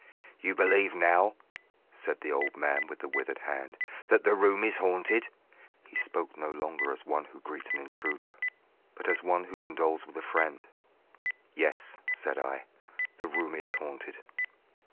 "You believe now," said the old man with the withered hand, "that the room is haunted?" He spoke no longer as one who greets an intruder, but as one who condoles with a friend. "Yes," said I, "the room is haunted."